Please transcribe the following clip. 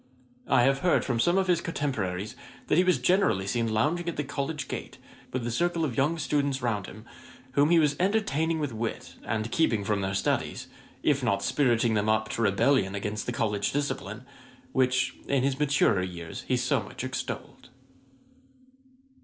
'I have heard from some of his cotemporaries that he was generally seen lounging at the College gate, with a circle of young students round him, whom he was entertaining with wit, and keeping from their studies, if not spiriting them up to rebellion against the College discipline, which in his maturer years he so much extolled.'